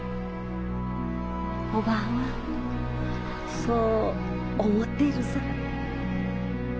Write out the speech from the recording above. おばぁはそう思っているさ。